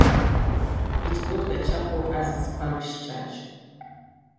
It got the Chapel as its parish church.